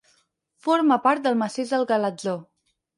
Forma part del massís del Galatzó.